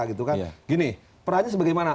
gini perannya sebagaimana